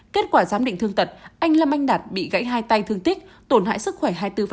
kết quả giám định thương tật anh lâm anh đạt bị gãy hai tay thương tích tổn hại sức khỏe hai mươi bốn